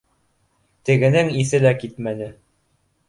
Тегенең иҫе лә китмәне: